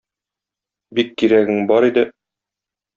Бик кирәгең бар иде!